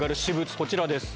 こちらです。